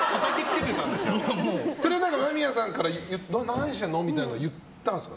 それは間宮さんから何してんの？みたいなのは言ったんですか？